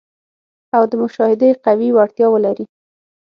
او د مشاهدې قوي وړتیا ولري.